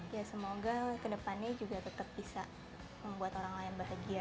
ya semoga kedepannya juga tetap bisa membuat orang lain bahagia